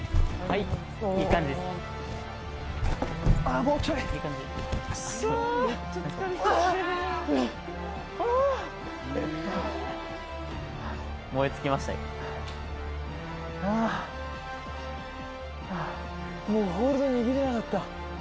はぁ、もうホールド握れなかった。